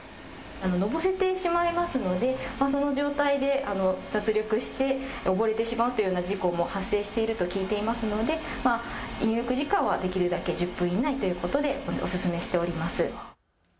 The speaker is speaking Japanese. のぼせてしまいますのでその状態で脱力して溺れてしまうというような事故も発生していると聞いておりますので、入浴時間はできるだけ１０分以内ということでお勧めしております。